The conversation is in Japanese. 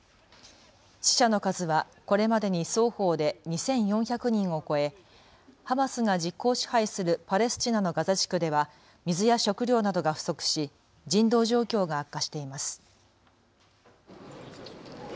死者の数はこれまでに双方で２４００人を超えハマスが実効支配するパレスチナのガザ地区では水や食料などが不足し人道状況が悪化しています。